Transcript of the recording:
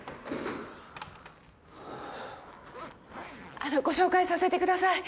あのご紹介させてください。